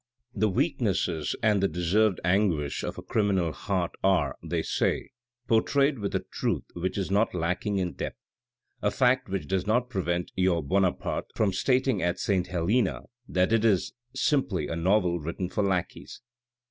The weaknesses and the deserved anguish of a criminal heart are, they say, portrayed with a truth which is not lacking in depth ; a fact which does not prevent your Bonaparte from stating at St. Helena that it is simply a novel written for lackeys."